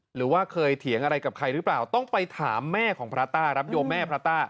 หรือว่าเคยเถียงอะไรกับใครหรือเปล่าต้องไปถามแม่ของพระต้าครับโยมแม่พระต้า